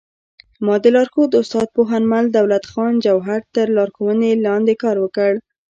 ما د لارښود استاد پوهنمل دولت خان جوهر تر لارښوونې لاندې کار وکړ